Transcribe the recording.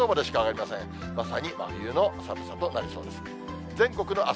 まさに真冬の寒さとなりそうです。